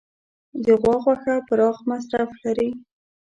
د غوا غوښه پراخ مصرف لري.